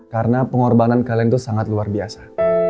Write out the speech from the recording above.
karena pengorbanan kalian tuh sangat luar biasa